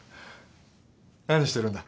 何してるんだ？